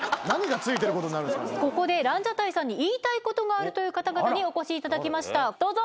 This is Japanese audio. ここでランジャタイさんに言いたいことがあるという方々にお越しいただきましたどうぞ。